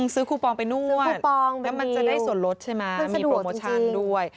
ซื้อคูปองไปนวดมันจะได้ส่วนลดใช่ไหมมีโปรโมชันด้วย